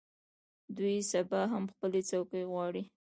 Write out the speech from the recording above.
دوی سبا هم خپلې څوکۍ غواړي.